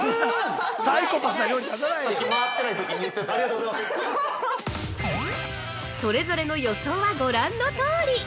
◆それぞれの予想はご覧のとおり。